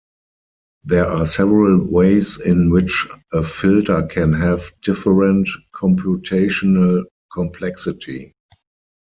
There are several ways in which a filter can have different computational complexity.